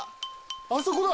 あそこだ